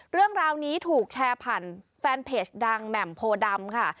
เรื่องราวนี้ถูกแชร์ผ่านแฟนเพจดังแหม่มโพดำค่ะ